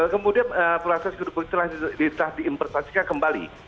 kemudian proses kundukan bukit telah diimprasasikan kembali